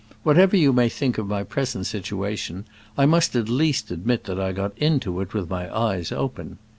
Whatever you may think of my present situation, I must at least admit that I got into it with my eyes open.